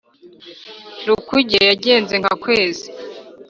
rukuge yagenze nka kwezi,